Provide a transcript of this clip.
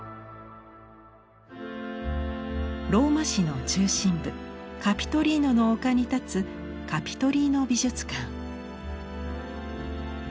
ローマ市の中心部カピトリーノの丘に立つカピトリーノ美術館。